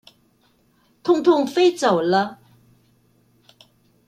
痛痛飛走了